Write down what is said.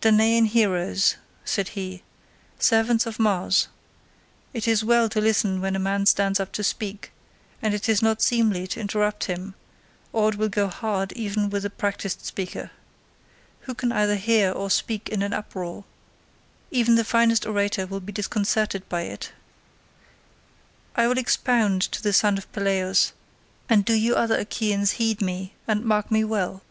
"Danaan heroes," said he, "servants of Mars, it is well to listen when a man stands up to speak, and it is not seemly to interrupt him, or it will go hard even with a practised speaker. Who can either hear or speak in an uproar? Even the finest orator will be disconcerted by it. I will expound to the son of Peleus, and do you other Achaeans heed me and mark me well.